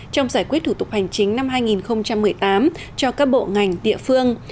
trong giải quyết thủ tục hành chính năm hai nghìn một mươi tám cho các bộ ngành địa phương